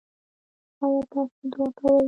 ایا تاسو دعا کوئ؟